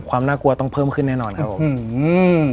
ความน่ากลัวต้องเพิ่มขึ้นแน่นอนครับผมอืม